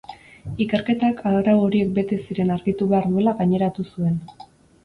Ikerketak arau horiek bete ziren argitu behar duela gaineratu zuen.